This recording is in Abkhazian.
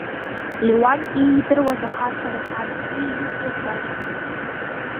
Леуанти иидыруаз ахацәа рацәан, уа иҩызцәагьы маҷмызт…